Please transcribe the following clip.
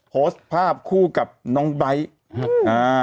โพสต์ภาพคู่กับน้องใบ๊ค